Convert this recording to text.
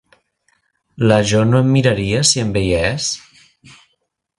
La Jo no em miraria si em veiés?